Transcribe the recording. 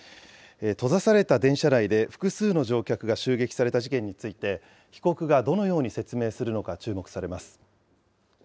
閉ざされた電車内で複数の乗客が襲撃された事件について、被告がどのように説明するのか、注目されます。